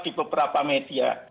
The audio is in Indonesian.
di beberapa media